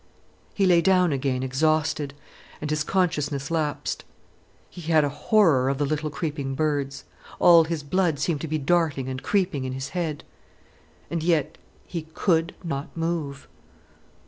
He lay down again exhausted, and his consciousness lapsed. He had a horror of the little creeping birds. All his blood seemed to be darting and creeping in his head. And yet he could not move.